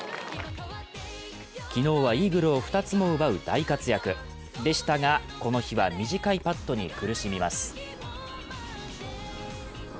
昨日はイーグルを２つも奪う大活躍でしたが、この日は短いパットに苦しみます。